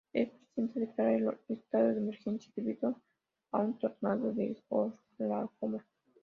El presidente declara el estado de emergencia debido a un tornado en Oklahoma.